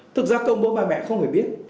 thực ra công bố ba mẹ không phải biết